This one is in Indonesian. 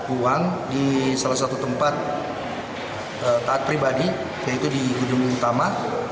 uang di salah satu tempat taat pribadi yaitu di gedung utama